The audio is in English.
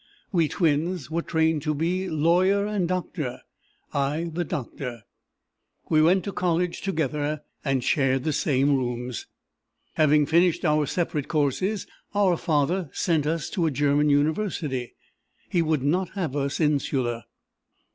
We twins were trained to be lawyer and doctor I the doctor. "We went to college together, and shared the same rooms. "Having finished our separate courses, our father sent us to a German university: he would not have us insular!